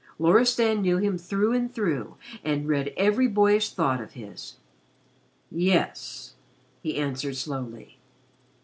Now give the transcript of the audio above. Loristan knew him through and through and read every boyish thought of his. "Yes," he answered slowly.